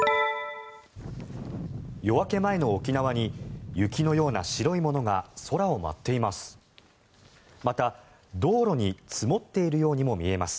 夜明け前の沖縄に雪のような白いものが空を舞っています。